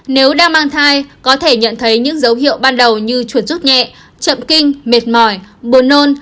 nếu đang mang thai có thể nhận thấy những dấu hiệu ban đầu như chuột rút nhẹ chậm kinh mệt mỏi buồn nôn